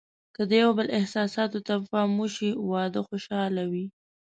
که د یو بل احساساتو ته پام وشي، واده خوشحاله وي.